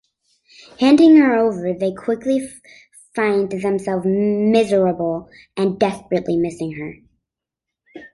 Handing her over, they quickly find themselves miserable and desperately missing her.